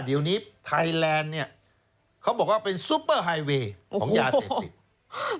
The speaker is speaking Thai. เดี๋ยวนี้ไทยแลนด์เนี่ยเขาบอกว่าเป็นซุปเปอร์ไฮเวย์ของยาเสพติด